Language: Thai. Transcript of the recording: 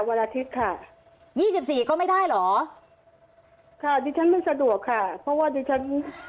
วันอาทิตย์ค่ะยี่สิบสี่ก็ไม่ได้เหรอค่ะดิฉันไม่สะดวกค่ะเพราะว่าดิฉัน